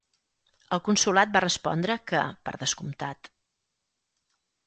El Consolat va respondre que "per descomptat".